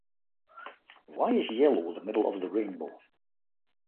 Why Is Yellow the Middle of the Rainbow?